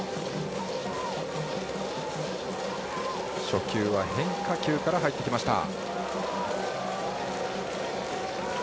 初球は変化球から入ってきました。